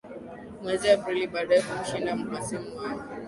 mwezi aprili baada ya kumshinda mhasimu wake